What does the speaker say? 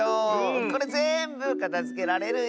これぜんぶかたづけられるよ。